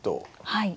はい。